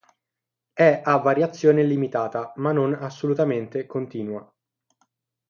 È a variazione limitata ma non assolutamente continua.